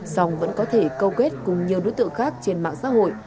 song vẫn có thể câu kết cùng nhiều đối tượng khác trên mạng xã hội